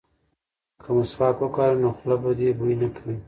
که مسواک وکاروې نو خوله به دې بوی نه کوي.